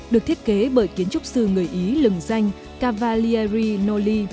được thiết kế bởi kiến trúc sư người ý lừng danh cavalieri nolli